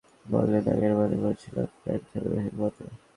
আমাকে এভাবে হাঁচতে দেখে বললেন, আগেই মানা করেছিলাম ফ্যান চালু রেখে ঘুমাতে।